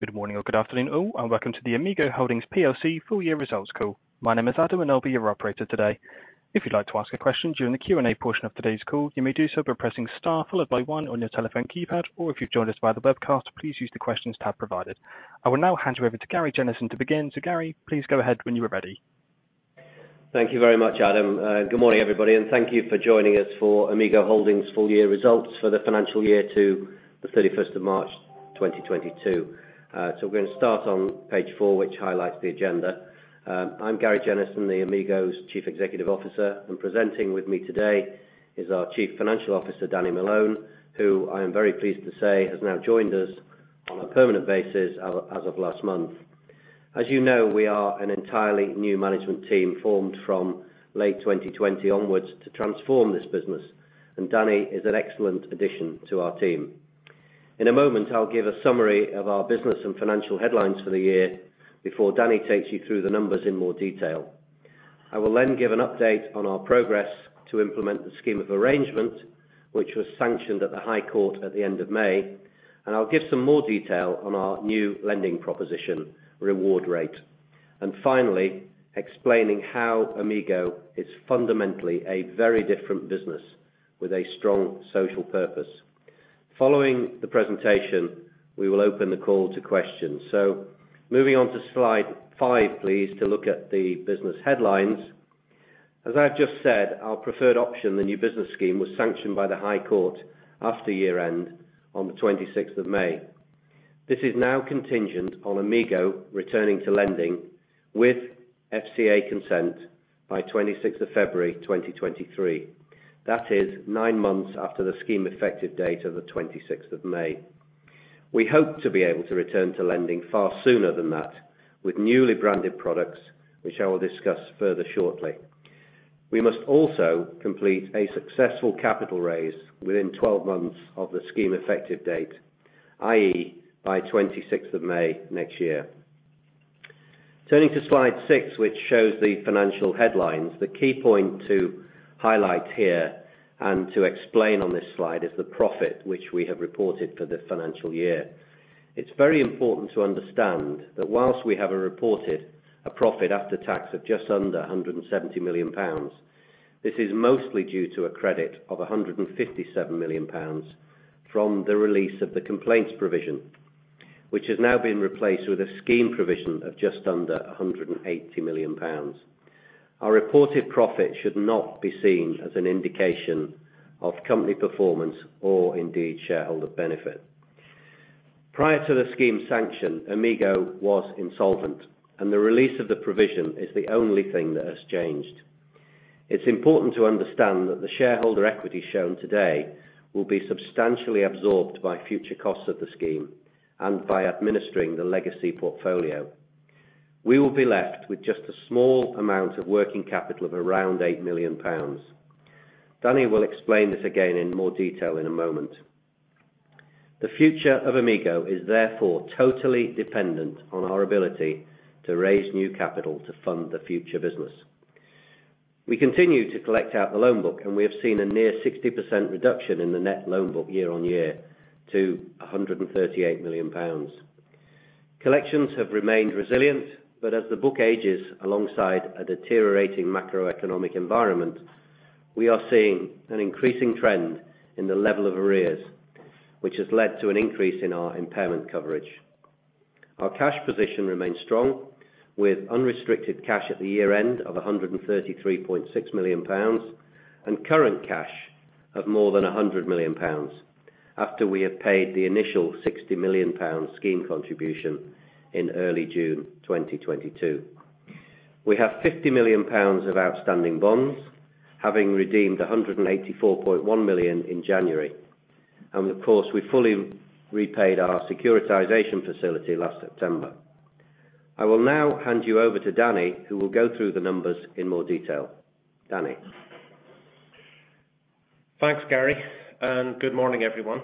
Good morning or good afternoon all, and welcome to the Amigo Holdings PLC full year results call. My name is Adam and I'll be your operator today. If you'd like to ask a question during the Q&A portion of today's call, you may do so by pressing star followed by one on your telephone keypad, or if you've joined us via the webcast, please use the questions tab provided. I will now hand you over to Gary Jennison to begin. Gary, please go ahead when you are ready. Thank you very much, Adam. Good morning, everybody, and thank you for joining us for Amigo Holdings full year results for the financial year to the 31st of March, 2022. We're gonna start on page four, which highlights the agenda. I'm Gary Jennison, Amigo's Chief Executive Officer, and presenting with me today is our Chief Financial Officer, Danny Malone, who I am very pleased to say has now joined us on a permanent basis as of last month. As you know, we are an entirely new management team formed from late 2020 onwards to transform this business, and Danny is an excellent addition to our team. In a moment, I'll give a summary of our business and financial headlines for the year before Danny takes you through the numbers in more detail. I will then give an update on our progress to implement the scheme of arrangement, which was sanctioned at the High Court at the end of May, and I'll give some more detail on our new lending proposition, RewardRate. Finally, explaining how Amigo is fundamentally a very different business with a strong social purpose. Following the presentation, we will open the call to questions. Moving on to slide five, please, to look at the business headlines. As I've just said, our preferred option, the New Business Scheme, was sanctioned by the High Court after year-end on the 26th of May. This is now contingent on Amigo returning to lending with FCA consent by 26th of February, 2023. That is nine months after the scheme effective date of the 26th of May. We hope to be able to return to lending far sooner than that with newly branded products, which I will discuss further shortly. We must also complete a successful capital raise within 12 months of the scheme effective date, i.e., by 26th of May next year. Turning to slide six, which shows the financial headlines, the key point to highlight here and to explain on this slide is the profit which we have reported for the financial year. It's very important to understand that while we have reported a profit after tax of just under 170 million pounds, this is mostly due to a credit of 157 million pounds from the release of the complaints provision, which has now been replaced with a scheme provision of just under 180 million pounds. Our reported profit should not be seen as an indication of company performance or indeed shareholder benefit. Prior to the scheme sanction, Amigo was insolvent, and the release of the provision is the only thing that has changed. It's important to understand that the shareholder equity shown today will be substantially absorbed by future costs of the scheme and by administering the legacy portfolio. We will be left with just a small amount of working capital of around 8 million pounds. Danny will explain this again in more detail in a moment. The future of Amigo is therefore totally dependent on our ability to raise new capital to fund the future business. We continue to collect out the loan book, and we have seen a near 60% reduction in the net loan book year-on-year to 138 million pounds. Collections have remained resilient, but as the book ages alongside a deteriorating macroeconomic environment, we are seeing an increasing trend in the level of arrears, which has led to an increase in our impairment coverage. Our cash position remains strong with unrestricted cash at the year-end of 133.6 million pounds and current cash of more than 100 million pounds after we have paid the initial 60 million pounds scheme contribution in early June 2022. We have 50 million pounds of outstanding bonds, having redeemed 184.1 million in January. Of course, we fully repaid our securitization facility last September. I will now hand you over to Danny, who will go through the numbers in more detail. Danny? Thanks, Gary, and good morning, everyone.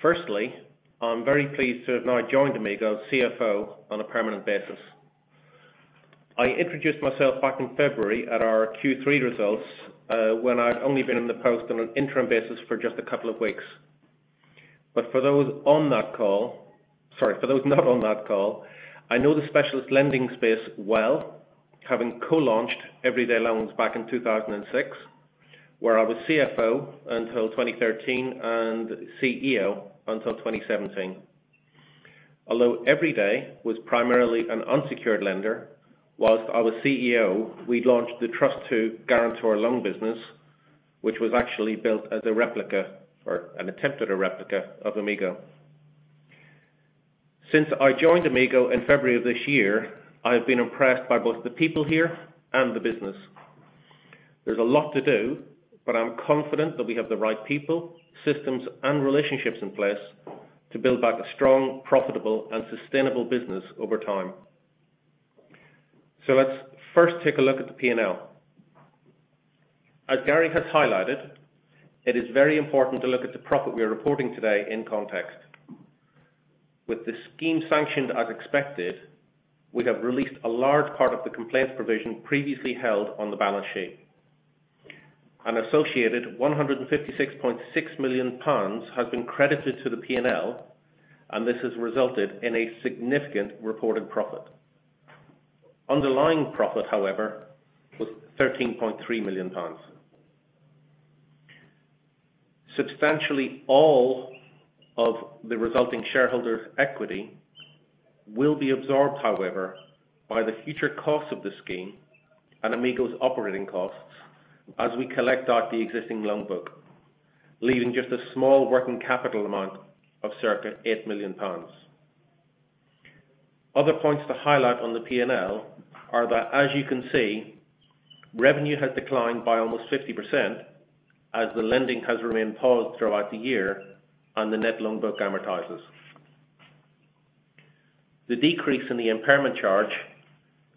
Firstly, I'm very pleased to have now joined Amigo's CFO on a permanent basis. I introduced myself back in February at our Q3 results, when I'd only been in the post on an interim basis for just a couple of weeks. Sorry, for those not on that call, I know the specialist lending space well, having co-launched Everyday Loans back in 2006, where I was CFO until 2013 and CEO until 2017. Although Everyday was primarily an unsecured lender, whilst I was CEO, we launched the TrustTwo guarantor loan business, which was actually built as a replica or an attempt at a replica of Amigo. Since I joined Amigo in February of this year, I have been impressed by both the people here and the business. There's a lot to do, but I'm confident that we have the right people, systems, and relationships in place to build back a strong, profitable, and sustainable business over time. Let's first take a look at the P&L. As Gary has highlighted, it is very important to look at the profit we are reporting today in context. With the scheme sanctioned as expected, we have released a large part of the complaints provision previously held on the balance sheet. Associated 156.6 million pounds has been credited to the P&L, and this has resulted in a significant reported profit. Underlying profit, however, was 13.3 million pounds. Substantially all of the resulting shareholder equity will be absorbed, however, by the future costs of the scheme and Amigo's operating costs as we collect out the existing loan book, leaving just a small working capital amount of circa 8 million pounds. Other points to highlight on the P&L are that, as you can see, revenue has declined by almost 50% as the lending has remained paused throughout the year and the net loan book amortizes. The decrease in the impairment charge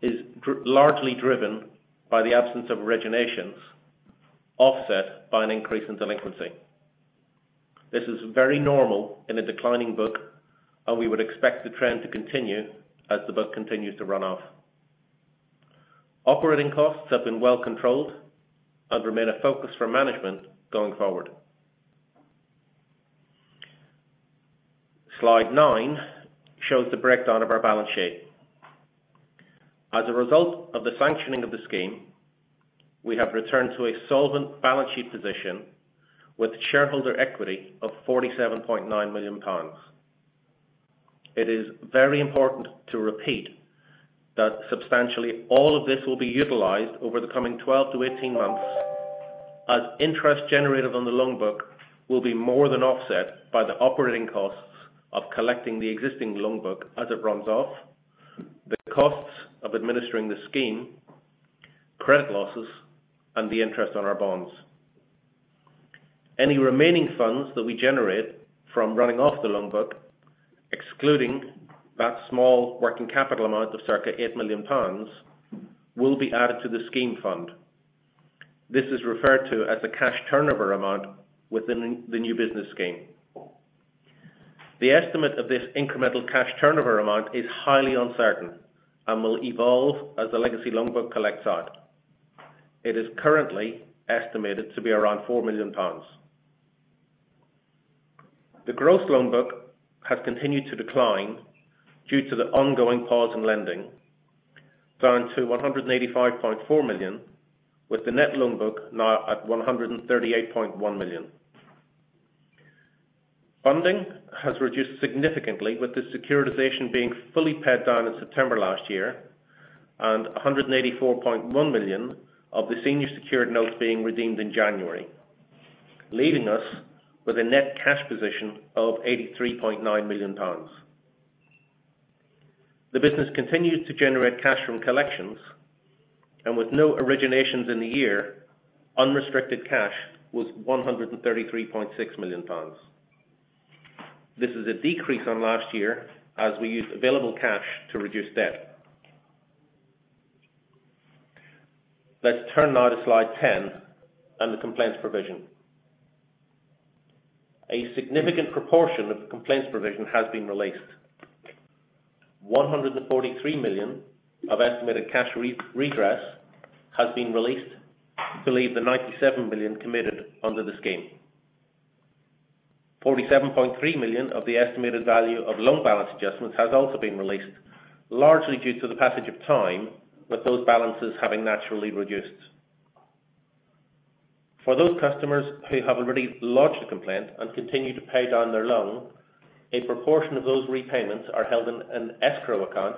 is largely driven by the absence of originations offset by an increase in delinquency. This is very normal in a declining book, and we would expect the trend to continue as the book continues to run off. Operating costs have been well controlled and remain a focus for management going forward. Slide nine shows the breakdown of our balance sheet. As a result of the sanctioning of the scheme, we have returned to a solvent balance sheet position with shareholder equity of 47.9 million pounds. It is very important to repeat that substantially all of this will be utilized over the coming 12-18 months as interest generated on the loan book will be more than offset by the operating costs of collecting the existing loan book as it runs off, the costs of administering the scheme, credit losses, and the interest on our bonds. Any remaining funds that we generate from running off the loan book, excluding that small working capital amount of circa 8 million pounds, will be added to the scheme fund. This is referred to as the cash Turnover Amount within the New Business Scheme. The estimate of this incremental cash Turnover Amount is highly uncertain and will evolve as the legacy loan book collects out. It is currently estimated to be around 4 million pounds. The gross loan book has continued to decline due to the ongoing pause in lending, down to 185.4 million, with the net loan book now at 138.1 million. Funding has reduced significantly with the securitization being fully paid down in September last year and 184.1 million of the senior secured notes being redeemed in January, leaving us with a net cash position of 83.9 million pounds. The business continued to generate cash from collections, and with no originations in the year, unrestricted cash was 133.6 million pounds. This is a decrease on last year as we used available cash to reduce debt. Let's turn now to slide 10 and the complaints provision. A significant proportion of the complaints provision has been released. 143 million of estimated cash re-redress has been released to leave the 97 million committed under the scheme. 47.3 million of the estimated value of loan balance adjustments has also been released, largely due to the passage of time, with those balances having naturally reduced. For those customers who have already lodged a complaint and continue to pay down their loan, a proportion of those repayments are held in an escrow account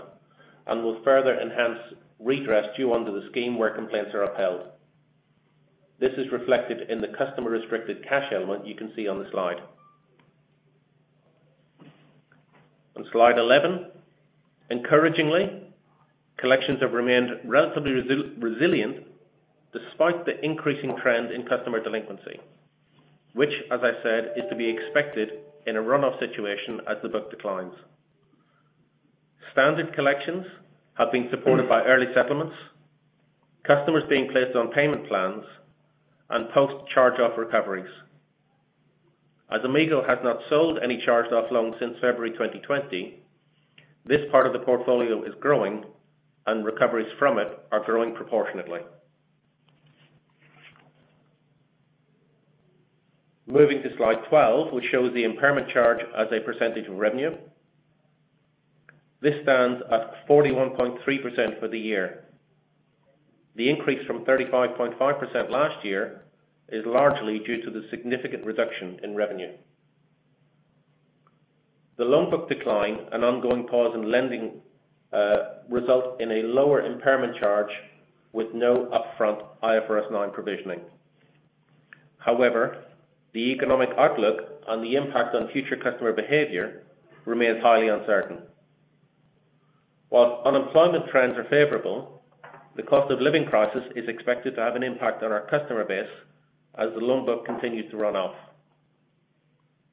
and will further enhance redress due under the scheme where complaints are upheld. This is reflected in the customer restricted cash element you can see on the slide. On slide 11, encouragingly, collections have remained relatively resilient despite the increasing trend in customer delinquency, which as I said, is to be expected in a run-off situation as the book declines. Standard collections have been supported by early settlements, customers being placed on payment plans, and post charge-off recoveries. As Amigo has not sold any charged-off loans since February 2020, this part of the portfolio is growing and recoveries from it are growing proportionately. Moving to slide 12, which shows the impairment charge as a percentage of revenue. This stands at 41.3% for the year. The increase from 35.5% last year is largely due to the significant reduction in revenue. The loan book decline and ongoing pause in lending result in a lower impairment charge with no upfront IFRS9 provisioning. However, the economic outlook and the impact on future customer behavior remains highly uncertain. While unemployment trends are favorable, the cost of living crisis is expected to have an impact on our customer base as the loan book continues to run off.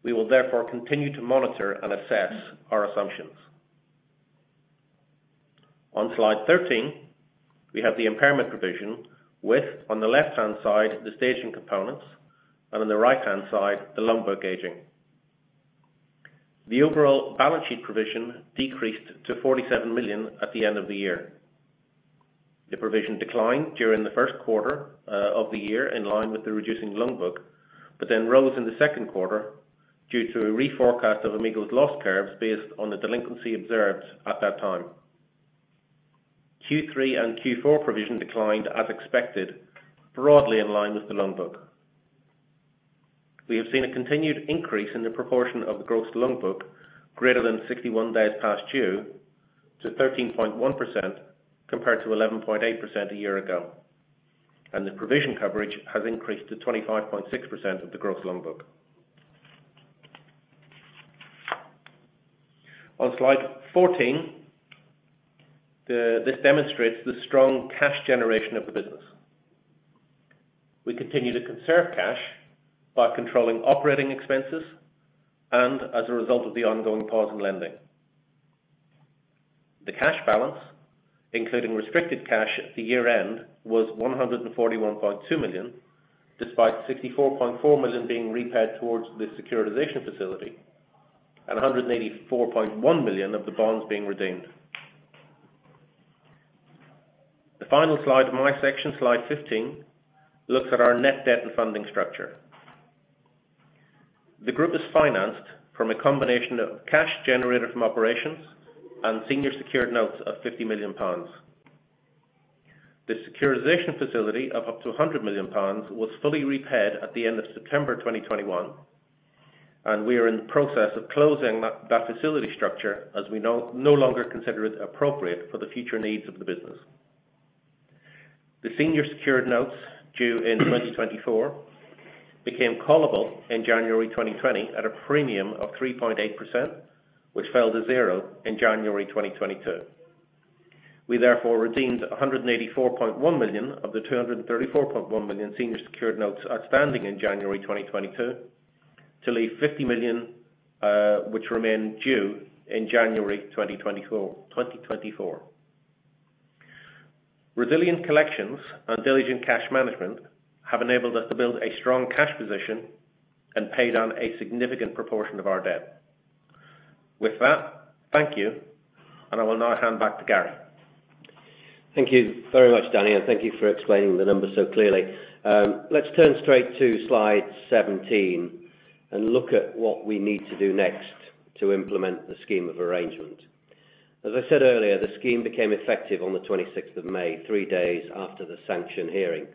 We will therefore continue to monitor and assess our assumptions. On slide 13, we have the impairment provision with, on the left-hand side, the staging components, and on the right-hand side, the loan book aging. The overall balance sheet provision decreased to 47 million at the end of the year. The provision declined during the first quarter of the year in line with the reducing loan book, but then rose in the second quarter due to a reforecast of Amigo's loss curves based on the delinquency observed at that time. Q3 and Q4 provision declined as expected, broadly in line with the loan book. We have seen a continued increase in the proportion of the gross loan book greater than 61 days past due to 13.1% compared to 11.8% a year ago, and the provision coverage has increased to 25.6% of the gross loan book. On slide 14, this demonstrates the strong cash generation of the business. We continue to conserve cash by controlling operating expenses and as a result of the ongoing pause in lending. The cash balance, including restricted cash at the year-end, was 141.2 million, despite 64.4 million being repaid towards the securitization facility and 184.1 million of the bonds being redeemed. The final slide of my section, slide 15, looks at our net debt and funding structure. The group is financed from a combination of cash generated from operations and senior secured notes of 50 million pounds. The securitization facility of up to 100 million pounds was fully repaid at the end of September 2021, and we are in the process of closing that facility structure as we no longer consider it appropriate for the future needs of the business. The senior secured notes due in 2024 became callable in January 2020 at a premium of 3.8%, which fell to 0% in January 2022. We therefore redeemed 184.1 million of the 234.1 million senior secured notes outstanding in January 2022 to leave 50 million, which remained due in January 2024. Resilient collections and diligent cash management have enabled us to build a strong cash position and pay down a significant proportion of our debt. With that, thank you, and I will now hand back to Gary. Thank you very much, Danny, and thank you for explaining the numbers so clearly. Let's turn straight to slide 17 and look at what we need to do next to implement the scheme of arrangement. As I said earlier, the scheme became effective on the 26th of May, three days after the sanction hearing.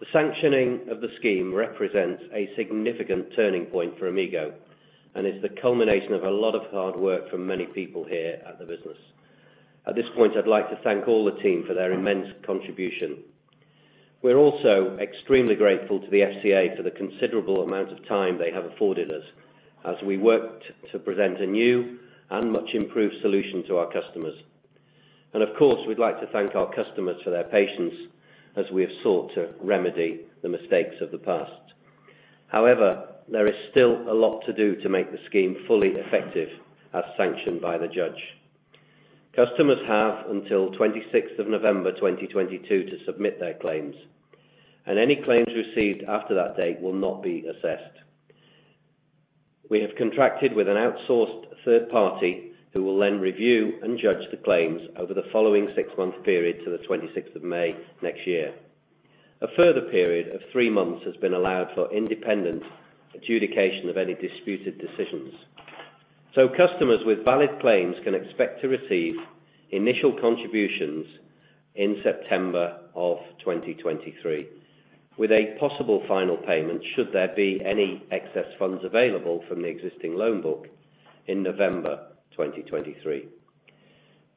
The sanctioning of the scheme represents a significant turning point for Amigo, and it's the culmination of a lot of hard work from many people here at the business. At this point, I'd like to thank all the team for their immense contribution. We're also extremely grateful to the FCA for the considerable amount of time they have afforded us as we worked to present a new and much-improved solution to our customers. Of course, we'd like to thank our customers for their patience as we have sought to remedy the mistakes of the past. However, there is still a lot to do to make the scheme fully effective as sanctioned by the judge. Customers have until 26th of November 2022 to submit their claims, and any claims received after that date will not be assessed. We have contracted with an outsourced third party who will then review and judge the claims over the following six-month period to the 26th of May 2023. A further period of three months has been allowed for independent adjudication of any disputed decisions. Customers with valid claims can expect to receive initial contributions in September of 2023, with a possible final payment should there be any excess funds available from the existing loan book in November 2023.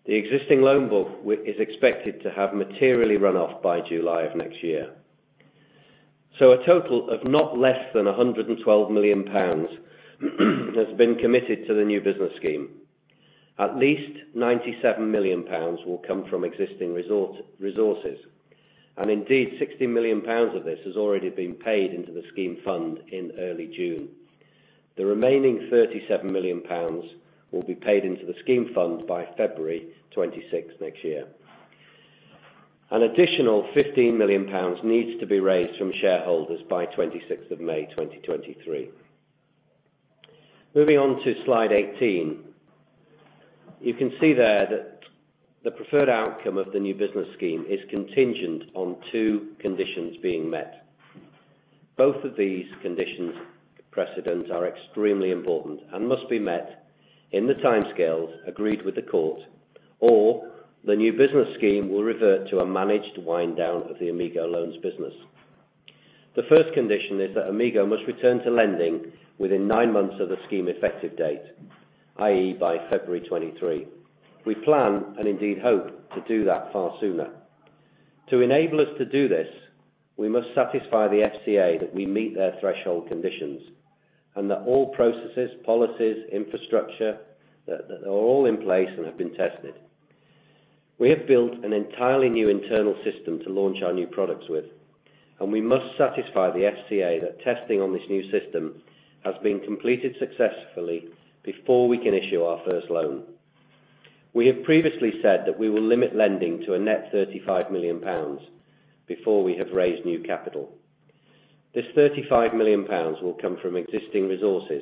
The existing loan book is expected to have materially run off by July of next year. A total of not less than 112 million pounds has been committed to the New Business Scheme. At least 97 million pounds will come from existing resources, and indeed 60 million pounds of this has already been paid into the scheme fund in early June. The remaining 37 million pounds will be paid into the scheme fund by February 26th next year. An additional 15 million pounds needs to be raised from shareholders by 26th of May 2023. Moving on to slide 18. You can see there that the preferred outcome of the New Business Scheme is contingent on two conditions being met. Both of these conditions precedent are extremely important and must be met in the timescales agreed with the court, or the New Business Scheme will revert to a managed wind down of the Amigo Loans business. The first condition is that Amigo must return to lending within nine months of the scheme effective date, i.e., by February 2023. We plan and indeed hope to do that far sooner. To enable us to do this, we must satisfy the FCA that we meet their Threshold Conditions and that all processes, policies, infrastructure, that they're all in place and have been tested. We have built an entirely new internal system to launch our new products with, and we must satisfy the FCA that testing on this new system has been completed successfully before we can issue our first loan. We have previously said that we will limit lending to a net 35 million pounds before we have raised new capital. This 35 million pounds will come from existing resources,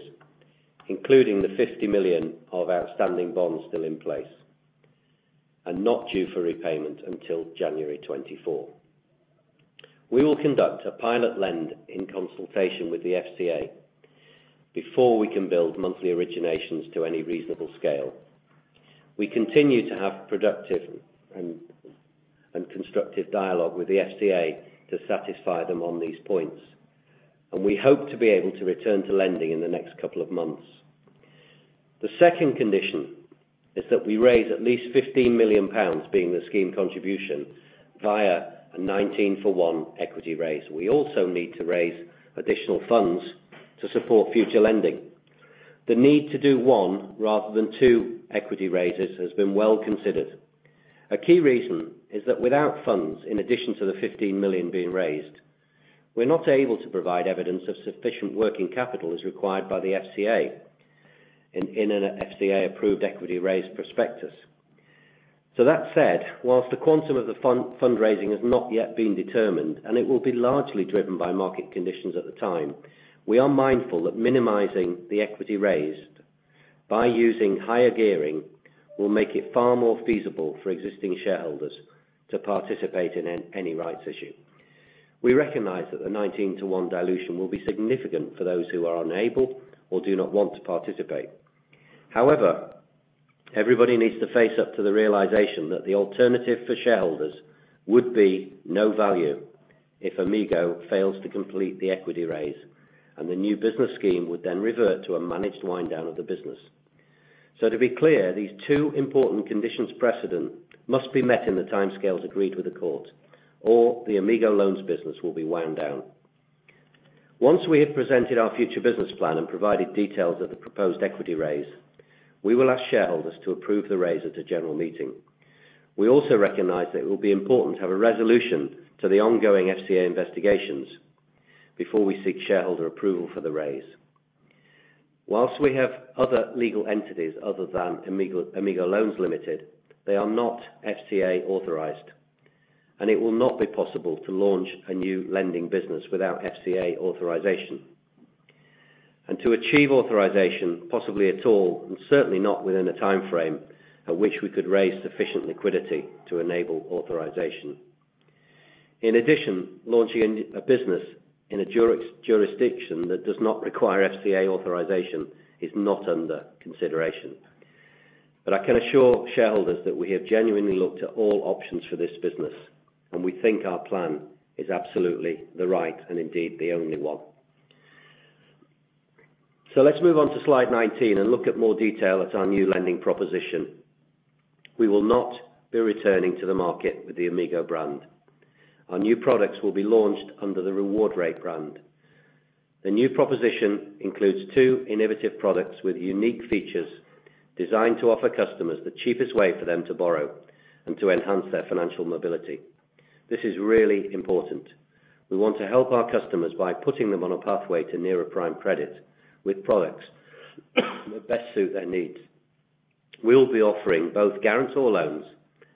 including the 50 million of outstanding bonds still in place and not due for repayment until January 2024. We will conduct a pilot lend in consultation with the FCA before we can build monthly originations to any reasonable scale. We continue to have productive and constructive dialogue with the FCA to satisfy them on these points, and we hope to be able to return to lending in the next couple of months. The second condition is that we raise at least 15 million pounds being the scheme contribution via a 19-for-one equity raise. We also need to raise additional funds to support future lending. The need to do one rather than two equity raises has been well considered. A key reason is that without funds, in addition to the 15 million being raised, we're not able to provide evidence of sufficient working capital as required by the FCA in an FCA-approved equity raise prospectus. That said, while the quantum of the fundraising has not yet been determined and it will be largely driven by market conditions at the time, we are mindful that minimizing the equity raised by using higher gearing will make it far more feasible for existing shareholders to participate in an rights issue. We recognize that the 19-to-one dilution will be significant for those who are unable or do not want to participate. However, everybody needs to face up to the realization that the alternative for shareholders would be no value if Amigo fails to complete the equity raise, and the New Business Scheme would then revert to a managed wind down of the business. To be clear, these two important conditions precedent must be met in the timescales agreed with the court, or the Amigo Loans business will be wound down. Once we have presented our future business plan and provided details of the proposed equity raise, we will ask shareholders to approve the raise at a general meeting. We also recognize that it will be important to have a resolution to the ongoing FCA investigations before we seek shareholder approval for the raise. While we have other legal entities other than Amigo Loans Limited, they are not FCA authorized, and it will not be possible to launch a new lending business without FCA authorization, and to achieve authorization possibly at all, and certainly not within a timeframe at which we could raise sufficient liquidity to enable authorization. In addition, launching a new business in a jurisdiction that does not require FCA authorization is not under consideration. I can assure shareholders that we have genuinely looked at all options for this business, and we think our plan is absolutely the right and indeed the only one. Let's move on to slide 19 and look at more detail at our new lending proposition. We will not be returning to the market with the Amigo brand. Our new products will be launched under the RewardRate brand. The new proposition includes two innovative products with unique features designed to offer customers the cheapest way for them to borrow and to enhance their financial mobility. This is really important. We want to help our customers by putting them on a pathway to near a prime credit with products that best suit their needs. We will be offering both guarantor loans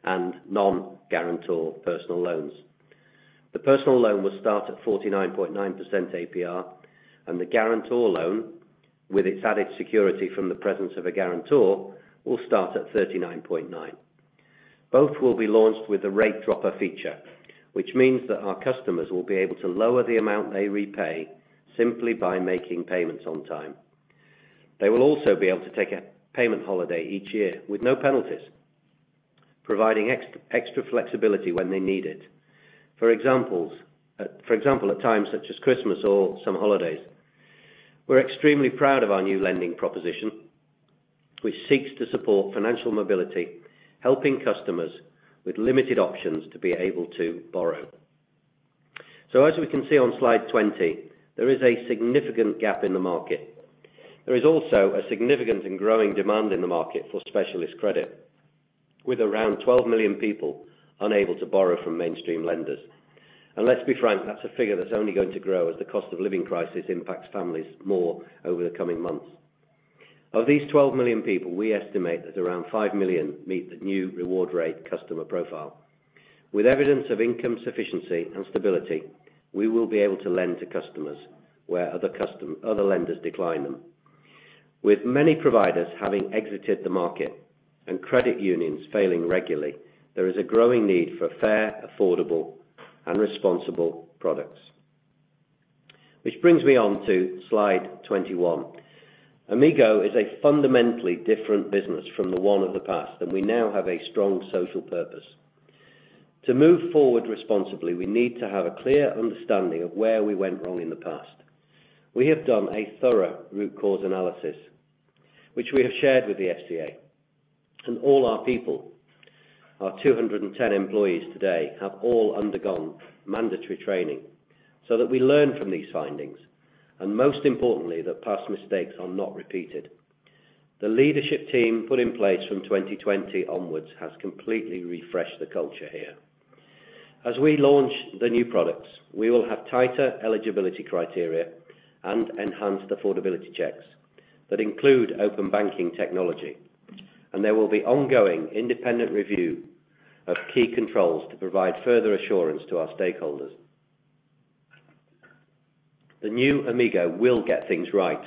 and non-guarantor personal loans. The personal loan will start at 49.9% APR, and the guarantor loan, with its added security from the presence of a guarantor, will start at 39.9. Both will be launched with a rate dropper feature, which means that our customers will be able to lower the amount they repay simply by making payments on time. They will also be able to take a payment holiday each year with no penalties, providing extra flexibility when they need it. For example, at times such as Christmas or some holidays. We're extremely proud of our new lending proposition, which seeks to support financial mobility, helping customers with limited options to be able to borrow. As we can see on slide 20, there is a significant gap in the market. There is also a significant and growing demand in the market for specialist credit, with around 12 million people unable to borrow from mainstream lenders. Let's be frank, that's a figure that's only going to grow as the cost of living crisis impacts families more over the coming months. Of these 12 million people, we estimate that around 5 million meet the new RewardRate customer profile. With evidence of income sufficiency and stability, we will be able to lend to customers where other lenders decline them. With many providers having exited the market and credit unions failing regularly, there is a growing need for fair, affordable, and responsible products. Which brings me on to slide 21. Amigo is a fundamentally different business from the one of the past, and we now have a strong social purpose. To move forward responsibly, we need to have a clear understanding of where we went wrong in the past. We have done a thorough root cause analysis, which we have shared with the FCA and all our people. Our 210 employees today have all undergone mandatory training so that we learn from these findings, and most importantly, that past mistakes are not repeated. The leadership team put in place from 2020 onwards has completely refreshed the culture here. As we launch the new products, we will have tighter eligibility criteria and enhanced affordability checks that include open banking technology, and there will be ongoing independent review of key controls to provide further assurance to our stakeholders. The new Amigo will get things right.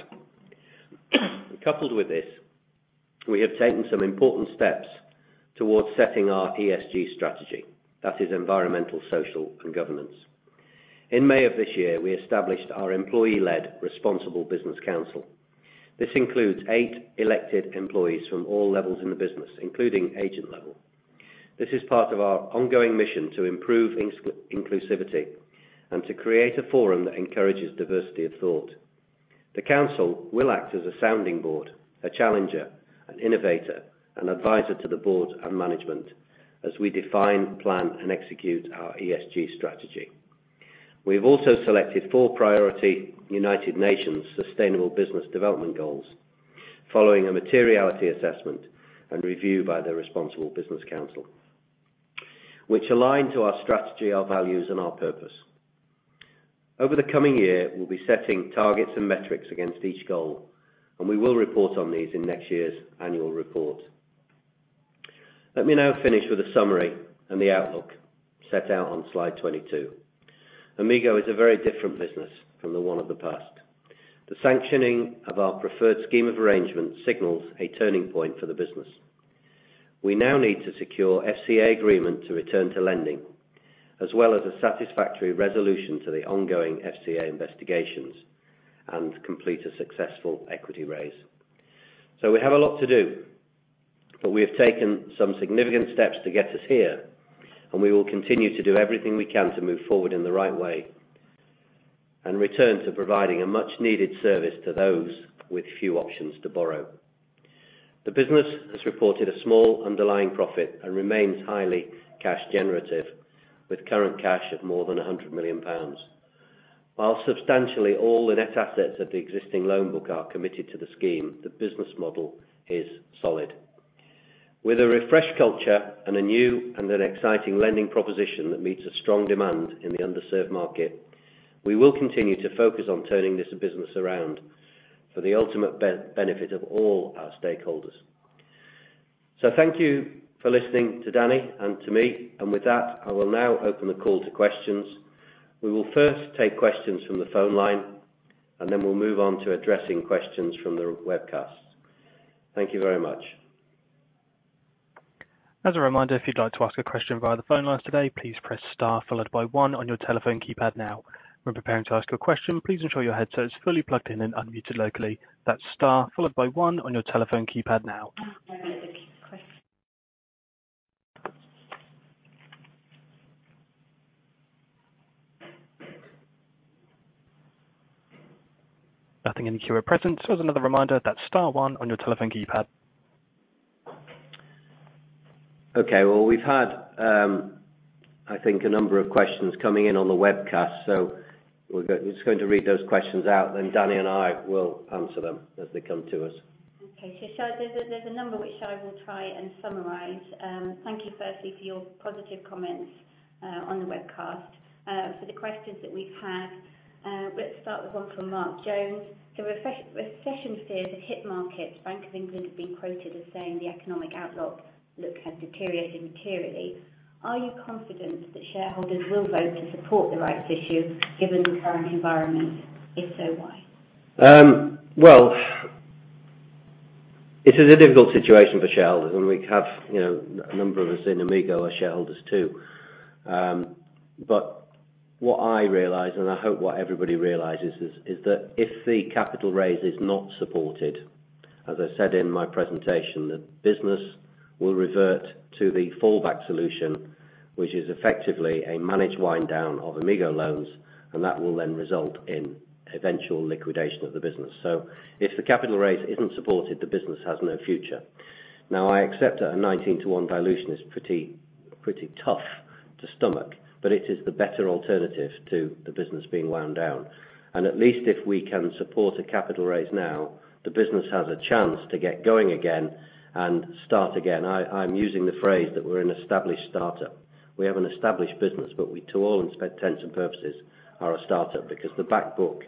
Coupled with this, we have taken some important steps towards setting our ESG strategy. That is environmental, social, and governance. In May of this year, we established our employee-led Responsible Business Council. This includes eight elected employees from all levels in the business, including agent level. This is part of our ongoing mission to improve inclusivity and to create a forum that encourages diversity of thought. The council will act as a sounding board, a challenger, an innovator, an advisor to the board and management as we define, plan, and execute our ESG strategy. We've also selected four priority United Nations sustainable business development goals following a materiality assessment and review by the Responsible Business Council, which align to our strategy, our values, and our purpose. Over the coming year, we'll be setting targets and metrics against each goal, and we will report on these in next year's annual report. Let me now finish with a summary and the outlook set out on slide 22. Amigo is a very different business from the one of the past. The sanctioning of our preferred scheme of arrangement signals a turning point for the business. We now need to secure FCA agreement to return to lending, as well as a satisfactory resolution to the ongoing FCA investigations and complete a successful equity raise. We have a lot to do, but we have taken some significant steps to get us here, and we will continue to do everything we can to move forward in the right way and return to providing a much-needed service to those with few options to borrow. The business has reported a small underlying profit and remains highly cash generative with current cash of more than 100 million pounds. While substantially all the net assets of the existing loan book are committed to the scheme, the business model is solid. With a refreshed culture and a new and an exciting lending proposition that meets a strong demand in the underserved market, we will continue to focus on turning this business around for the ultimate benefit of all our stakeholders. Thank you for listening to Danny and to me. With that, I will now open the call to questions. We will first take questions from the phone line, and then we'll move on to addressing questions from the webcast. Thank you very much. As a reminder, if you'd like to ask a question via the phone lines today, please press star followed by one on your telephone keypad now. When preparing to ask your question, please ensure your headset is fully plugged in and unmuted locally. That's star followed by one on your telephone keypad now. Nothing in queue at present. As another reminder, that's star one on your telephone keypad. Okay. Well, we've had, I think a number of questions coming in on the webcast, so we're just going to read those questions out, then Danny and I will answer them as they come to us. There's a number which I will try and summarize. Thank you firstly for your positive comments on the webcast. For the questions that we've had, let's start with one from Mark Jones. The recession fears have hit markets. Bank of England have been quoted as saying the economic outlook has deteriorated materially. Are you confident that shareholders will vote to support the rights issue given the current environment? If so, why? Well, it is a difficult situation for shareholders, and we have, you know, a number of us in Amigo are shareholders too. But what I realize, and I hope what everybody realizes is that if the capital raise is not supported, as I said in my presentation, the business will revert to the fallback solution, which is effectively a managed wind down of Amigo Loans, and that will then result in eventual liquidation of the business. If the capital raise isn't supported, the business has no future. Now, I accept a 19-to-one dilution is pretty tough to stomach, but it is the better alternative to the business being wound down. At least if we can support a capital raise now, the business has a chance to get going again and start again. I'm using the phrase that we're an established startup. We have an established business, but we, to all intents and purposes are a startup because the back book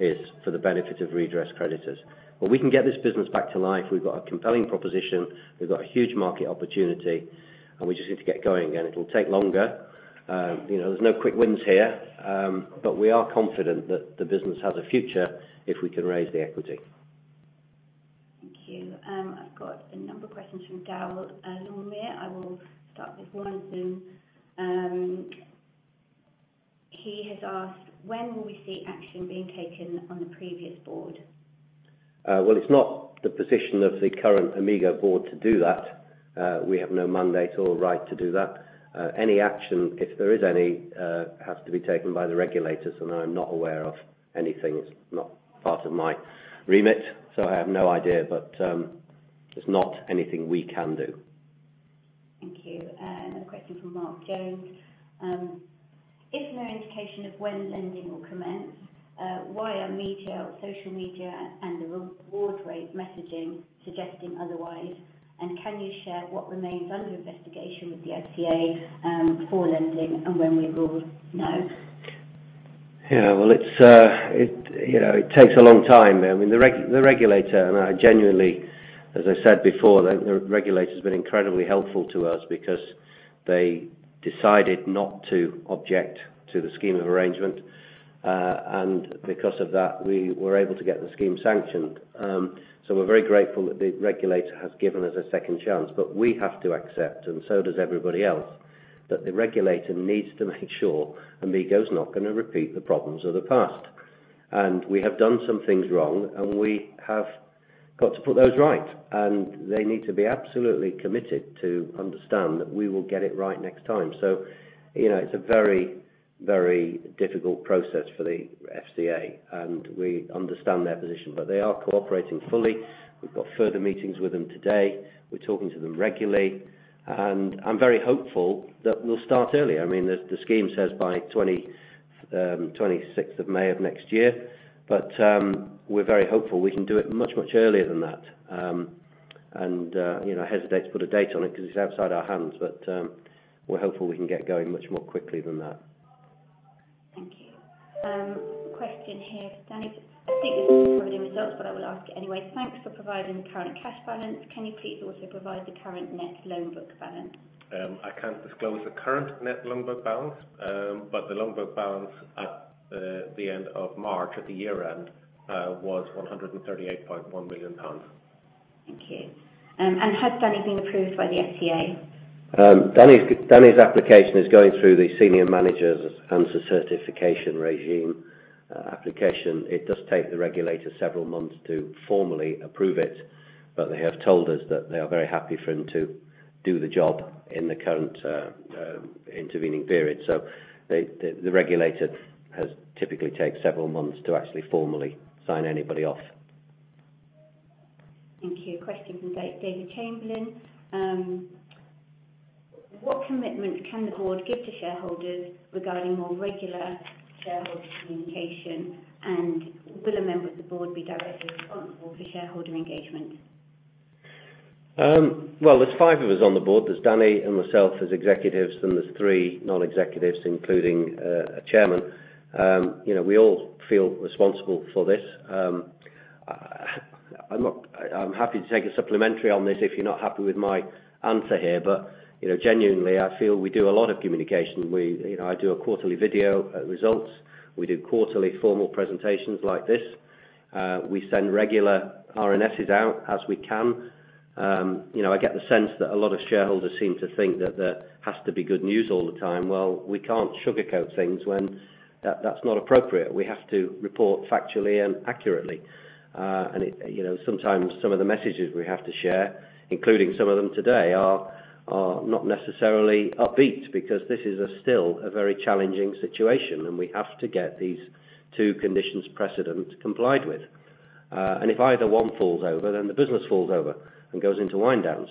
is for the benefit of redress creditors. We can get this business back to life. We've got a compelling proposition. We've got a huge market opportunity, and we just need to get going again. It'll take longer. You know, there's no quick wins here. We are confident that the business has a future if we can raise the equity. Thank you. I've got a number of questions from Daryl Longmire. I will start with one of them. He has asked, when will we see action being taken on the previous board? Well, it's not the position of the current Amigo board to do that. We have no mandate or right to do that. Any action, if there is any, has to be taken by the regulators, and I'm not aware of anything. It's not part of my remit, so I have no idea. There's not anything we can do. Thank you. Another question from Mark Jones. If no indication of when lending will commence, why are media or social media and the RewardRate messaging suggesting otherwise? And can you share what remains under investigation with the FCA, before lending and when we will know? Yeah, well, you know, it takes a long time. I mean, the regulator, and I genuinely, as I said before, the regulator's been incredibly helpful to us because they decided not to object to the scheme of arrangement. Because of that, we were able to get the scheme sanctioned. We're very grateful that the regulator has given us a second chance. We have to accept, and so does everybody else, that the regulator needs to make sure Amigo's not gonna repeat the problems of the past. We have done some things wrong, and we have got to put those right. They need to be absolutely committed to understand that we will get it right next time. You know, it's a very, very difficult process for the FCA, and we understand their position. They are cooperating fully. We've got further meetings with them today. We're talking to them regularly, and I'm very hopeful that we'll start earlier. I mean, the scheme says by 26th of May of next year, but we're very hopeful we can do it much earlier than that. You know, I hesitate to put a date on it 'cause it's outside our hands, but we're hopeful we can get going much more quickly than that. Thank you. Question here, Danny. I think this is already in results, but I will ask it anyway. Thanks for providing the current cash balance. Can you please also provide the current net loan book balance? I can't disclose the current net loan book balance, but the loan book balance at the end of March at the year-end was 138.1 million pounds. Thank you. Has Danny been approved by the FCA? Danny's application is going through the Senior Managers and Certification Regime application. It does take the regulator several months to formally approve it, but they have told us that they are very happy for him to do the job in the current intervening period. The regulator has typically take several months to actually formally sign anybody off. Thank you. Question from David Chamberlain. What commitment can the board give to shareholders regarding more regular shareholder communication? Will a member of the board be directly responsible for shareholder engagement? Well, there's five of us on the board. There's Danny and myself as executives, then there's three non-executives, including a chairman. You know, we all feel responsible for this. I'm happy to take a supplementary on this if you're not happy with my answer here. You know, genuinely, I feel we do a lot of communication. You know, I do a quarterly video results. We do quarterly formal presentations like this. We send regular RNSs out as we can. You know, I get the sense that a lot of shareholders seem to think that there has to be good news all the time. Well, we can't sugarcoat things when that's not appropriate. We have to report factually and accurately. You know, sometimes some of the messages we have to share, including some of them today, are not necessarily upbeat because this is still a very challenging situation, and we have to get these two conditions precedent complied with. If either one falls over, then the business falls over and goes into wind down.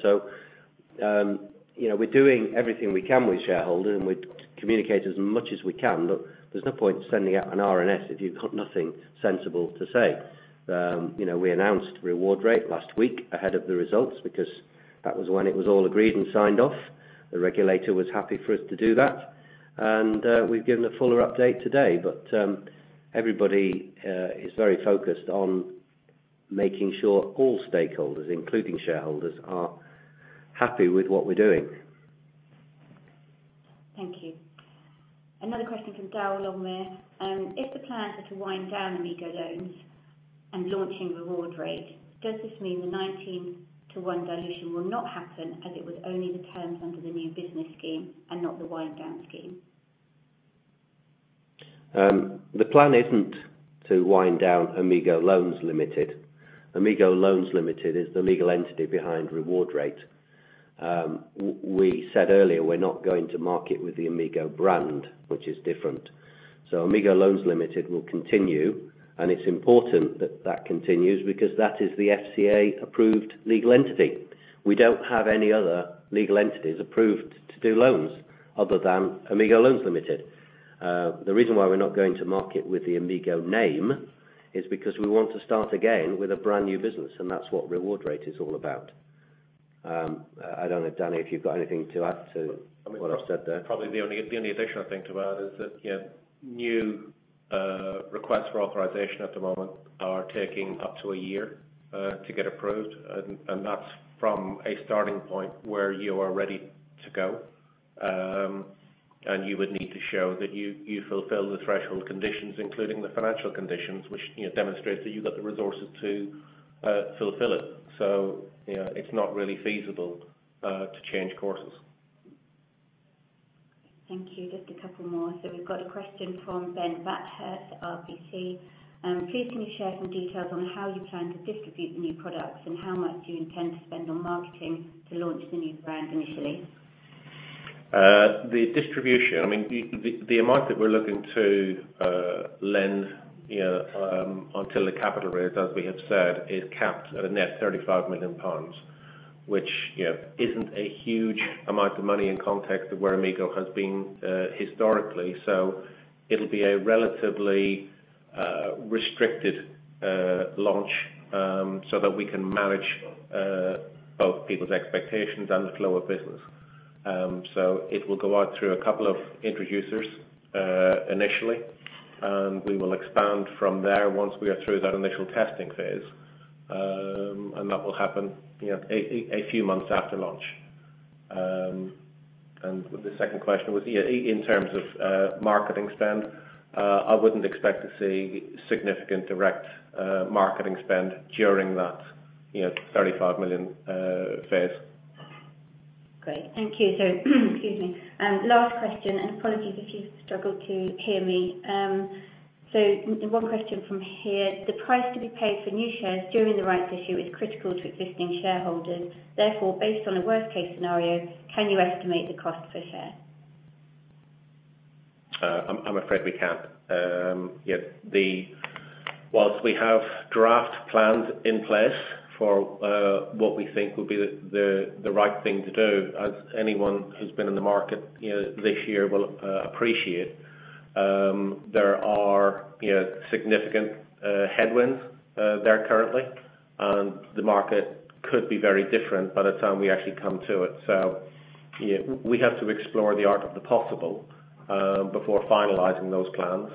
You know, we're doing everything we can with shareholders, and we communicate as much as we can. There's no point sending out an RNS if you've got nothing sensible to say. You know, we announced RewardRate last week ahead of the results because that was when it was all agreed and signed off. The regulator was happy for us to do that. We've given a fuller update today. Everybody is very focused on making sure all stakeholders, including shareholders, are happy with what we're doing. Thank you. Another question from Daryl Longmire. If the plans are to wind down Amigo Loans and launching RewardRate, does this mean the 19-to-one dilution will not happen as it was only the terms under the New Business Scheme and not the wind down scheme? The plan isn't to wind down Amigo Loans Ltd. Amigo Loans Ltd is the legal entity behind RewardRate. We said earlier, we're not going to market with the Amigo brand, which is different. Amigo Loans Ltd will continue, and it's important that that continues because that is the FCA-approved legal entity. We don't have any other legal entities approved to do loans other than Amigo Loans Ltd. The reason why we're not going to market with the Amigo name is because we want to start again with a brand-new business, and that's what RewardRate is all about. I don't know, Danny, if you've got anything to add to what I've said there. Probably the only additional thing to add is that, you know, new requests for authorization at the moment are taking up to a year to get approved. That's from a starting point where you are ready to go. You would need to show that you fulfill the Threshold Conditions, including the financial conditions, which, you know, demonstrates that you've got the resources to fulfill it. You know, it's not really feasible to change courses. Thank you. Just a couple more. We've got a question from Ben Bathurst at RBC. Please can you share some details on how you plan to distribute the new products and how much do you intend to spend on marketing to launch the new brand initially? The distribution, I mean, the amount that we're looking to lend, you know, until the capital raise, as we have said, is capped at a net 35 million pounds. Which, you know, isn't a huge amount of money in context of where Amigo has been, historically. It'll be a relatively, restricted, launch, so that we can manage, both people's expectations and the flow of business. It will go out through a couple of introducers, initially, and we will expand from there once we are through that initial testing phase. That will happen, you know, a few months after launch. The second question was, yeah, in terms of, marketing spend, I wouldn't expect to see significant direct, marketing spend during that, you know, 35 million, phase. Great. Thank you. Excuse me. Last question, and apologies if you struggle to hear me. One question from here. The price to be paid for new shares during the rights issue is critical to existing shareholders. Therefore, based on a worst-case scenario, can you estimate the cost per share? I'm afraid we can't. While we have draft plans in place for what we think will be the right thing to do, as anyone who's been in the market, you know, this year will appreciate, there are, you know, significant headwinds there currently, and the market could be very different by the time we actually come to it. You know, we have to explore the art of the possible before finalizing those plans.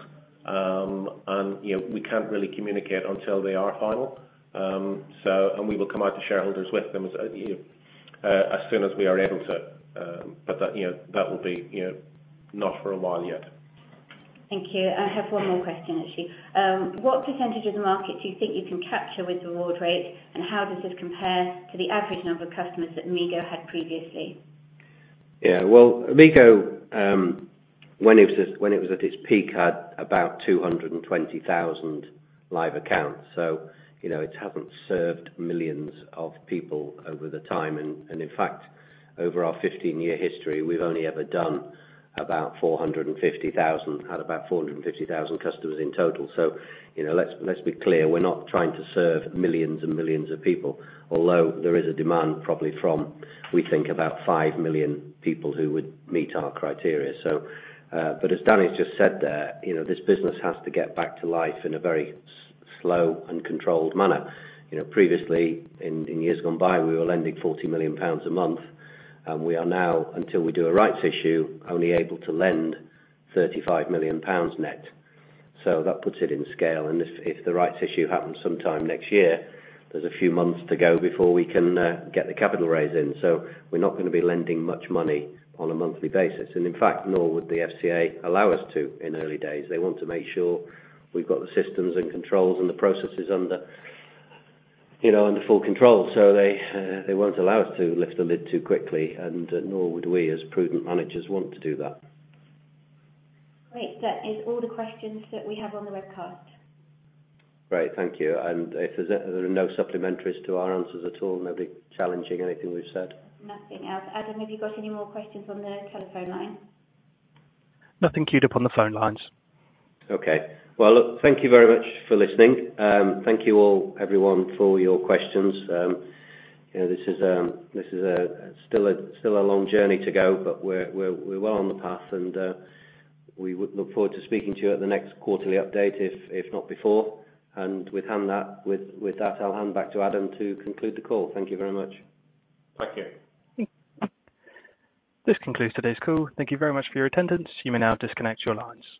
You know, we can't really communicate until they are final. We will come out to shareholders with them as, you know, as soon as we are able to. That will be, you know, not for a while yet. Thank you. I have one more question, actually. What percentage of the market do you think you can capture with RewardRate, and how does this compare to the average number of customers that Amigo had previously? Well, Amigo, when it was at its peak, had about 220,000 live accounts. You know, it hasn't served millions of people over time. In fact, over our 15-year history, we've only ever had about 450,000 customers in total. You know, let's be clear, we're not trying to serve millions and millions of people, although there is a demand probably from, we think, about 5 million people who would meet our criteria. But as Danny just said there, you know, this business has to get back to life in a very slow and controlled manner. You know, previously, in years gone by, we were lending 40 million pounds a month, and we are now, until we do a rights issue, only able to lend 35 million pounds net. That puts it in scale. If the rights issue happens sometime next year, there's a few months to go before we can get the capital raise in. We're not gonna be lending much money on a monthly basis, and in fact, nor would the FCA allow us to in early days. They want to make sure we've got the systems and controls and the processes under, you know, under full control. They won't allow us to lift the lid too quickly, and nor would we, as prudent managers, want to do that. Great. That is all the questions that we have on the webcast. Great. Thank you. If there are no supplementaries to our answers at all, nobody challenging anything we've said? Nothing else. Adam, have you got any more questions on the telephone line? Nothing queued up on the phone lines. Okay. Well, look, thank you very much for listening. Thank you all, everyone, for your questions. You know, this is still a long journey to go, but we're well on the path and we would look forward to speaking to you at the next quarterly update, if not before. With that, I'll hand back to Adam to conclude the call. Thank you very much. Thank you. This concludes today's call. Thank you very much for your attendance. You may now disconnect your lines.